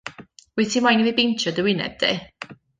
Wyt ti moyn i fi beintio dy winedd di?